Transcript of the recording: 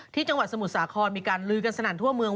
จังหวัดสมุทรสาครมีการลือกันสนั่นทั่วเมือง